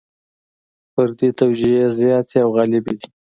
فردي توجیې زیاتې او غالبې دي.